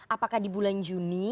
apakah di bulan juni